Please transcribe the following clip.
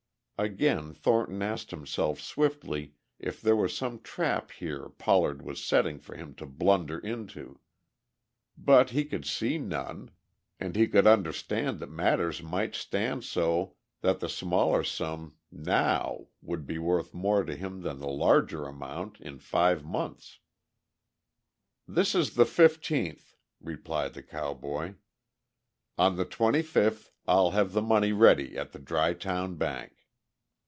Again Thornton asked himself swiftly if there were some trap here Pollard was setting for him to blunder into. But he could see none, and he could understand that matters might stand so that the smaller sum now would be worth more to him than the larger amount in five months. "This is the fifteenth," replied the cowboy. "On the twenty fifth I'll have the money ready at the Dry Town bank."